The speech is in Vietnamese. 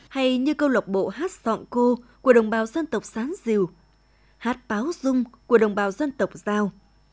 hay như câu lập bộ hát giọng cô của đồng bào dân tộc sán diều hát báo rung của đồng bào dân tộc giao